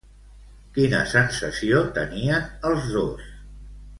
Quina sensació tenien els dos?